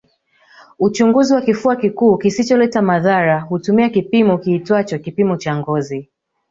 Uchunguzi wa kifua kikuu kisicholeta madhara hutumia kipimo kiitwacho kipimo cha ngozi